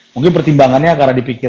mungkin pertimbangannya karena dipikir